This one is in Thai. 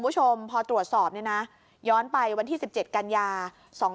ผู้ชมพอตรวจสอบเนี่ยนะย้อนไปวันที่สิบเจ็ดกันยาสอง